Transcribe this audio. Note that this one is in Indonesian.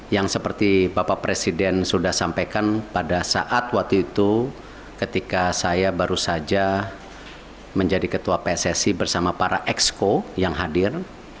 yang seperti bapak presiden sudah sampaikan pada saat waktu itu ketika saya baru saja menjadi ketua pssi bersama para exco yang hadir